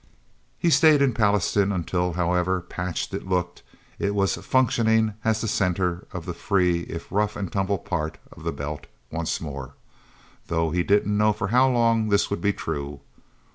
He stayed in Pallastown until, however patched it looked, it was functioning as the center of the free if rough and tumble part of the Belt once more though he didn't know for how long this would be true.